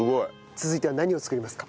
続いては何を作りますか？